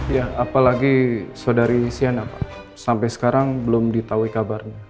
ya apalagi saudari sian sampai sekarang belum ditahui kabarnya